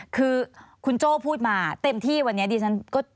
คือคุณโจ้พูดมาเต็มที่วันนี้ดิฉันก็